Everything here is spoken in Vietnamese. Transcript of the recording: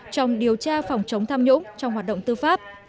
trong điều tra phòng chống tham nhũng trong hoạt động tư pháp